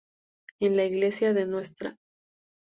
En la iglesia de Ntra.